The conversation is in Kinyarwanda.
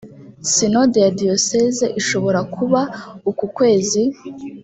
sinode ya diyoseze ishobora kuba uku kwezi